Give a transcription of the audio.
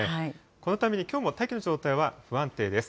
このために、きょうも大気の状態は不安定です。